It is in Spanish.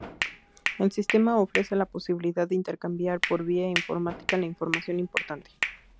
El sistema ofrece la posibilidad de intercambiar, por vía informática, la información importante.